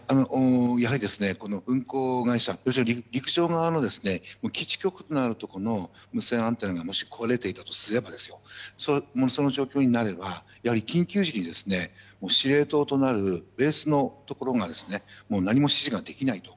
運航会社の陸上側の基地局があるところの無線アンテナがもし壊れていたとするともしその状況になればやはり緊急時に司令塔となるベースのところが何も指示ができないと。